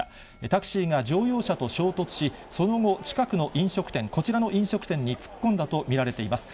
タクシーが乗用車と衝突し、その後、近くの飲食店、こちらの飲食店に突っ込んだと見られています。